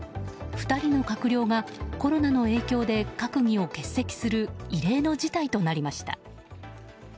２人の閣僚がコロナの影響で閣議を欠席する異例の事態となりました。